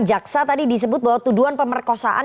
jaksa tadi disebut bahwa tuduhan pemerkosaan